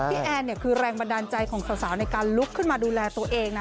แอนเนี่ยคือแรงบันดาลใจของสาวในการลุกขึ้นมาดูแลตัวเองนะ